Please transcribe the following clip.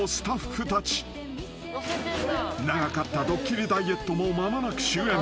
［長かったドッキリダイエットも間もなく終焉］